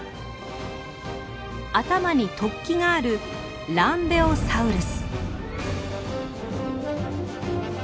頭に突起があるランベオサウルス。